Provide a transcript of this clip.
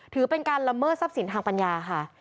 ถือเป็นการละเมิดทรัพย์สินทางปัญญาค่ะ